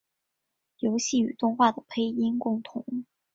游戏与动画的配音共通。